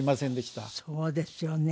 そうですよね。